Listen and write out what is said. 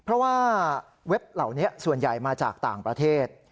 เพราะว่าเว็บเหล่านี้ส่วนใหญ่มาจากต่างประเทศ